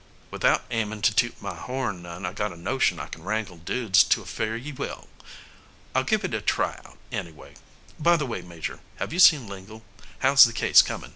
"Without aimin' to toot my horn none, I got a notion I can wrangle dudes to a fare ye well. I'll give it a try out, anyway. By the way, Major, have you seen Lingle? How's the case comin'?"